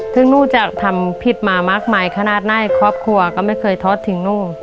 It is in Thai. ซึ่งลูกจะทำผิดมามากมายขนาดหน้าให้ครอบครัวก็ไม่เคยทอดถึงลูก